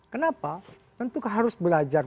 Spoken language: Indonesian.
kenapa tentu harus belajar